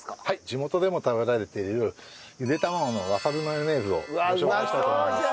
地元でも食べられているゆで卵のわさびマヨネーズをご紹介したいと思います。